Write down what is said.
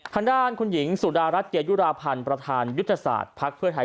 ทางด้านคุณหญิงสุดารัฐเกยุราพันธ์ประธานยุทธศาสตร์ภักดิ์เพื่อไทย